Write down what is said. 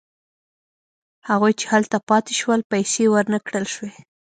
هغوی چې هلته پاتې شول پیسې ورنه کړل شوې.